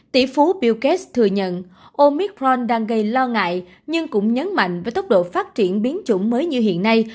tỷ phú billkes thừa nhận omicron đang gây lo ngại nhưng cũng nhấn mạnh với tốc độ phát triển biến chủng mới như hiện nay